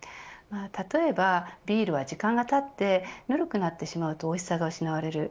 例えば、ビールは時間がたってぬるくなってしまうとおいしさが失われる。